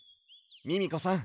ミミコさん